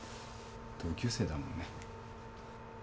同級生だもんね。